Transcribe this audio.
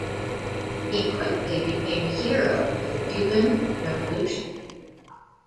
He quickly became a hero for the Cuban revolution.